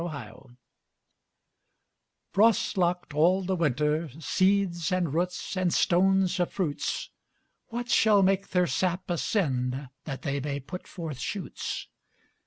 Frost locked all the winter, Seeds, and roots, and stones of fruits, What shall make their sap ascend That they may put forth shoots?